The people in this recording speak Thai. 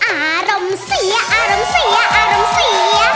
อารมณ์เสียอารมณ์เสียอารมณ์เสีย